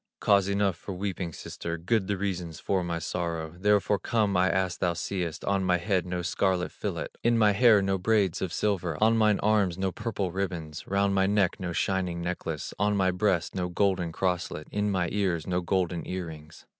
"Cause enough for weeping, sister, Good the reasons for my sorrow: Therefore come I as thou seest, On my head no scarlet fillet, In my hair no braids of silver, On mine arms no purple ribbons, Round my neck no shining necklace, On my breast no golden crosslet, In mine ears no golden ear rings."